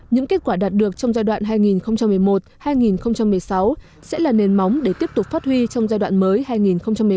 những kết quả đạt được trong giai đoạn hai nghìn một mươi một hai nghìn một mươi sáu sẽ là nền móng để tiếp tục phát huy trong giai đoạn mới hai nghìn một mươi bảy hai nghìn hai mươi